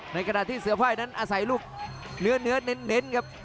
ในขณะที่เสือไฟนั้นอาศัยลูกเนื้อเน้นครับ